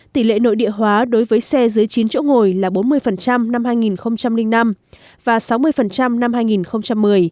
tỷ lệ nội địa hóa đối với xe dưới chín chỗ ngồi là bốn mươi năm hai nghìn năm và sáu mươi năm hai nghìn một mươi